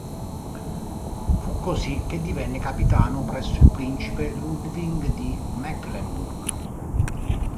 Fu così che divenne capitano presso il principe Ludwig di Mecklenburg.